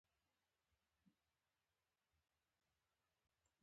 زموږ کورنۍ د اسلامي ارزښتونو او اصولو پیروي کوي